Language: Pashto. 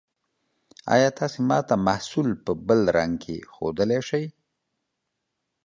ایا تاسو ما ته محصول په بل رنګ کې ښودلی شئ؟